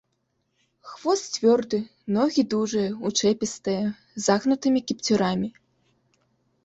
Хвост цвёрды, ногі дужыя, учэпістыя, з загнутымі кіпцюрамі.